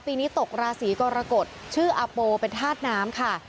ปีนี้ตกราศีกรกฎชื่ออาโปเป็นธาตุน้ำค่ะ